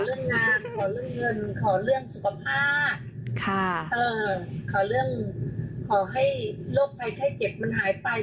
ขอเรื่องงานขอเรื่องเงินขอเรื่องสุขภาพขอให้โรคไพไทเจ็บมันหายไป